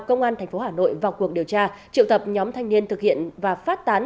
công an tp hà nội vào cuộc điều tra triệu tập nhóm thanh niên thực hiện và phát tán